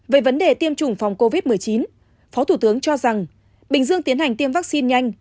về vấn đề tiêm chủng phòng covid một mươi chín phó thủ tướng cho rằng bình dương tiến hành tiêm vaccine nhanh